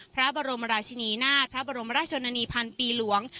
พระบรมราชินีนาฏพระบรมราชนีพันปีหลวง